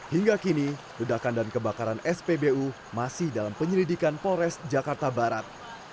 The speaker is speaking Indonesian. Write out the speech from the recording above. hingga kini ledakan dan kebakaran spbu masih dalam penyelidikan polres jakarta barat